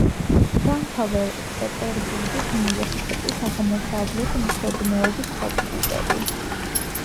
დაამთავრა პეტერბურგის უნივერსიტეტის აღმოსავლეთმცოდნეობის ფაკულტეტი.